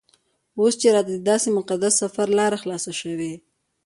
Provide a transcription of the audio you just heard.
اوس چې راته دداسې مقدس سفر لاره خلاصه شوې.